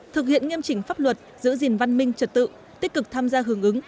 thực hiện nghiêm chỉnh pháp luật giữ gìn văn minh trật tự tích cực tham gia hưởng ứng